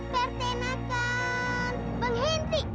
pertanakan bang hendrik